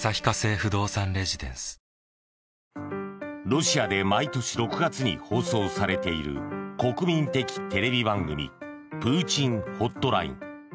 ロシアで毎年６月に放送されている国民的テレビ番組「プーチン・ホットライン」。